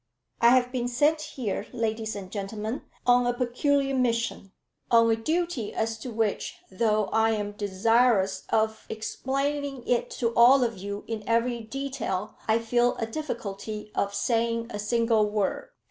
"I have been sent here, ladies and gentlemen, on a peculiar mission, on a duty as to which, though I am desirous of explaining it to all of you in every detail, I feel a difficulty of saying a single word."